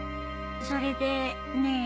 それでねえ